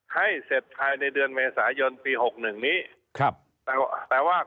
ให้เสร็จภายในเดือนเมษายนปีหกหนึ่งนี้ครับแต่ว่า